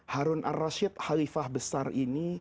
harun ar rashid halifah besar ini